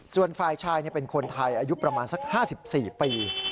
ส่วนฝ่ายชายเป็นคนไทยอายุประมาณสัก๕๔ปี